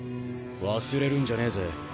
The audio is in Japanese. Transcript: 忘れるんじゃねえぜ。